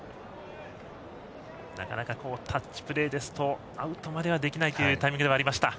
なかなかタッチプレーですとアウトまでにはできないというタイミングではありました。